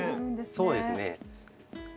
そうですね。